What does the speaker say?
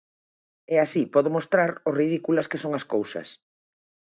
E así podo mostrar o ridículas que son as cousas.